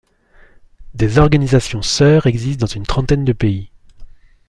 Des organisations sœurs existent dans une trentaine de pays.